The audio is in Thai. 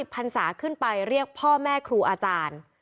พันศาขึ้นไปเรียกพ่อแม่ครูอาจารย์